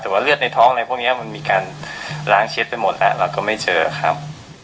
แต่ว่าเลือดในท้องอะไรพวกนี้มันมีการล้างเช็ดไปหมดแล้วเราก็ไม่เจอครับ